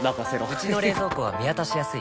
うちの冷蔵庫は見渡しやすい